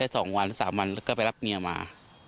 สองวันสามวันก็ไปรับเมียมา